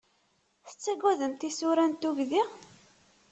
Tettagademt isura n tugdi?